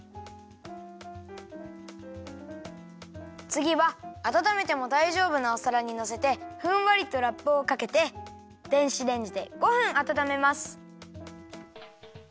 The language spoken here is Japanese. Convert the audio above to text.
つぎはあたためてもだいじょうぶなおさらにのせてふんわりとラップをかけて電子レンジで５分あたためます。